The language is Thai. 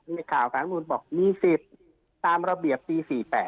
ในข่าวสารนุนบอกมีสิทธิ์ตามระเบียบปี๔๘